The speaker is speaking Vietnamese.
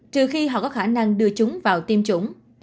trừ khi họ có khả năng đưa chúng vào tiêm chủng